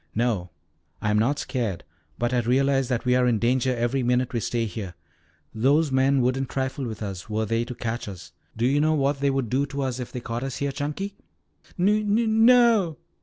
"No, I am not scared, but I realize that we are in danger every minute we stay here. Those men wouldn't trifle with us, were they to catch us. Do you know what they would do to us if they caught us here, Chunky?" "Nu nu no."